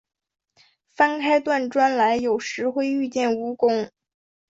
翻开断砖来，有时会遇见蜈蚣